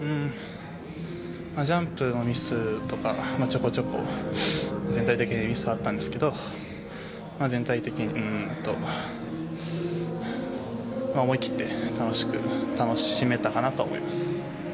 ジャンプのミスとかちょこちょこ全体的にミスはあったんですけど全体的に思い切って楽しく楽しめたかなと思います。